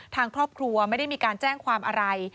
ทางครอบครัวไม่ได้มีการแจ้งความอะไร